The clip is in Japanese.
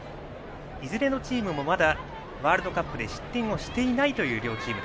いずれのチームもまだワールドカップで失点をしていないという両チーム。